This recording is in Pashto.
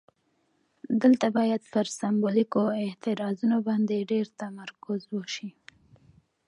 دلته باید پر سمبولیکو اعتراضونو باندې ډیر تمرکز وشي.